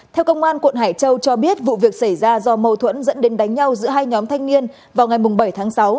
theo công an quận hải châu cho biết vụ việc xảy ra do mâu thuẫn dẫn đến đánh nhau giữa hai nhóm thanh niên vào ngày bảy tháng sáu